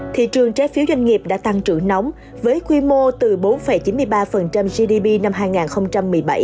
thị trường trái phiếu doanh nghiệp đã tăng trưởng nóng với quy mô từ bốn chín mươi ba gdp năm hai nghìn một mươi bảy